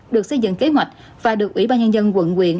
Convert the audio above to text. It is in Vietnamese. được xây dựng kế hoạch và được ủy ban nhân dân quận quyện